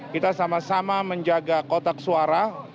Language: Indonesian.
kita sama sama menjaga kotak suara